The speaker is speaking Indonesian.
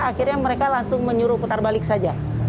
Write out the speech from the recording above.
akhirnya mereka langsung menyuruh putar balik saja